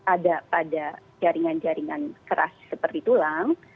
ada pada jaringan jaringan keras seperti tulang